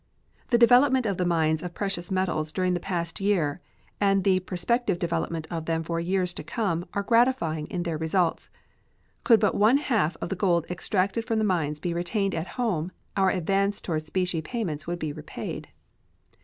The development of the mines of precious metals during the past year and the prospective development of them for years to come are gratifying in their results. Could but one half of the gold extracted from the mines be retained at home, our advance toward specie payments would be rapid.